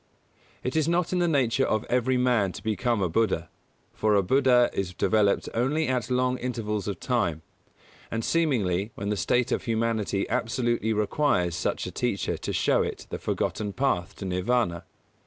It is not in the nature of every man to become a Buddha; for a Buddha is developed only at long intervals of time, and seemingly, when the state of humanity absolutely requires such a teacher to show it the forgotten Path to Nirvāna.